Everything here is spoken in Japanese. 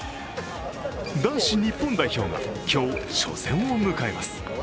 男子日本代表が今日、初戦を迎えます。